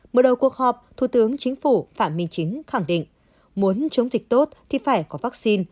mở đầu cuộc họp thủ tướng chính phủ phạm minh chính khẳng định muốn chống dịch tốt thì phải có vaccine